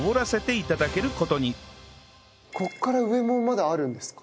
ここから上もまだあるんですか？